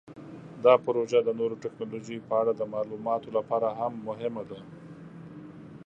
دا پروژه د نوو تکنالوژیو په اړه د معلوماتو لپاره هم مهمه ده.